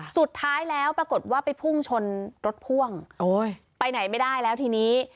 สุดท้ายแล้วปรากฏว่าไปพุ่งชนรถพ่วงโอ้ยไปไหนไม่ได้แล้วทีนี้